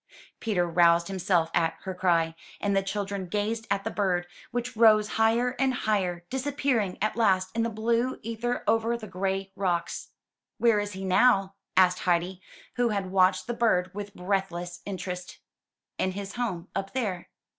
*' Peter roused himself at her cry; and the children gazed at the bird, which rose higher and higher, dis appearing at last in the blue ether over the gray rocks. ''Where is he now?'' asked Heidi, who had watched the bird with breathless interest. ''In his home up there."